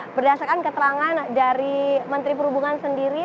berdasarkan keterangan dari menteri perhubungan sendiri